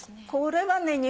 これはね